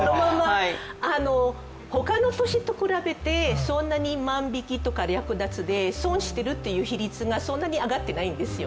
他の都市と比べてそんなに万引きとか略奪で損しているという比率がそんなに上がっていないんですよ。